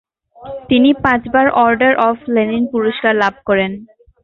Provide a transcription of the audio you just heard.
তিনি পাঁচবার order of Lenin পুরস্কার লাভ করেন।